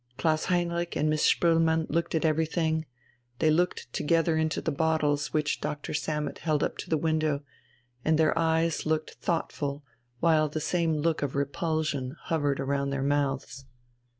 Klaus Heinrich and Miss Spoelmann looked at everything, they looked together into the bottles which Doctor Sammet held up to the window, and their eyes looked thoughtful while the same look of repulsion hovered round their mouths.